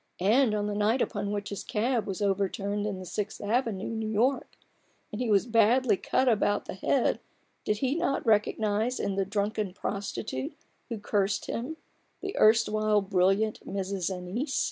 And on the night upon which his cab was overturned in the Sixth Avenue, New York, and he was badly cut about the head, did he not recognize in the drunken prostitute who cursed him, the erewhile brilliant Mrs. Annice